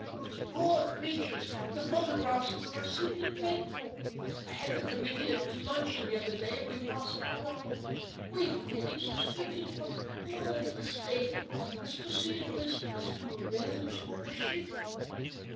Those poor creatures. The photographs of them are simply dreadful. I had the committee to luncheon the other day and we passed them around. We are getting subscriptions from all over the State, and Mr. Cedarquist is to arrange for the ship."